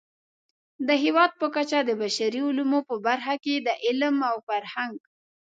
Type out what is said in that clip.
د هېواد په کچه د بشري علومو په برخه کې د علم او فرهنګ